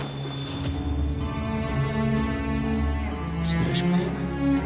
失礼します。